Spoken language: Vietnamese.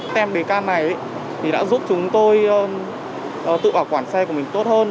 tem bề can này đã giúp chúng tôi tự bảo quản xe của mình tốt hơn